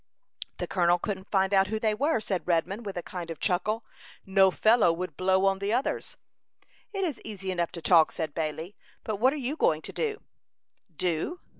"The colonel couldn't find out who they were," said Redman, with a kind of chuckle. "No fellow would 'blow' on the others." "It is easy enough to talk," said Bailey, "but what are you going to do?" "Do?